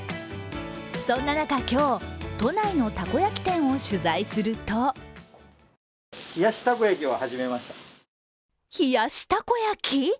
そんな中、今日、都内のたこ焼き店を取材すると冷やしたこ焼き？